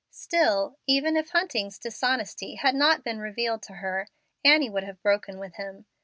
Still, even if Hunting's dishonesty had not been revealed to her, Annie would have broken with him.